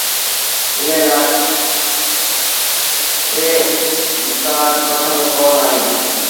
ايئي لآ پي کي ڳآج پنسند ڪونا آئيٚ۔